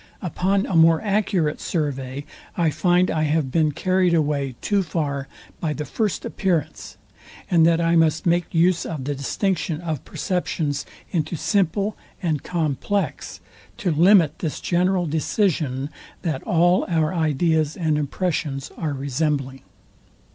Upon a more accurate survey I find I have been carried away too far by the first appearance, and that I must make use of the distinction of perceptions into simple and complex, to limit this general decision, that all our ideas and impressions are resembling.